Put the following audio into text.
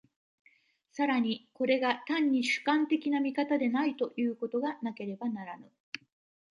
更にこれが単に主観的な見方でないということがなければならぬ。